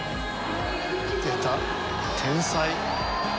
出た天才。